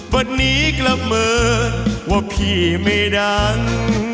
วันนี้กลับมือว่าพี่ไม่ดัง